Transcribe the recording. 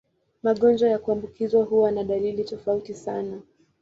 Magonjwa ya kuambukizwa huwa na dalili tofauti sana.